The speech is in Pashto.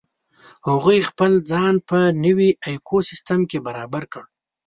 هغوی خپل ځان په نوې ایکوسیستم کې برابر کړ.